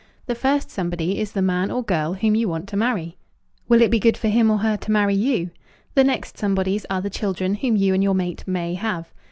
The first somebody is the man or girl whom you want to marry. Will it be good for him or her to marry you? The next somebodies are the children whom you and your mate may have.